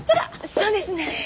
そうですね